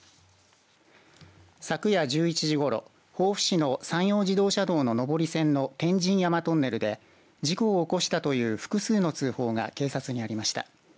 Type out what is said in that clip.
昨夜１１時ごろ、防府市の山陽自動車道の上り線の天神山トンネルで事故を起こしたという複数の通報が警察にありました。